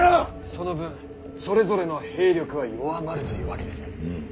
その分それぞれの兵力は弱まるというわけですね。